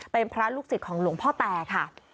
เป็นพระลูกศิษย์ของหลวงพ่อแตค่ะ